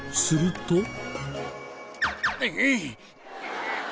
すると。